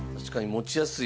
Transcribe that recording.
持ちやすい。